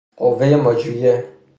قوۀ مجریه